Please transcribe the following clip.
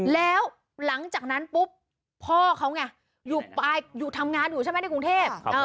แล้วหลังจากนั้นปุ๊บพ่อเขาไงอยู่ทำงานอยู่ใช่ไหมในกรุงเทพ